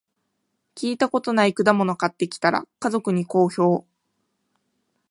聞いたことない果物買ってきたら、家族に好評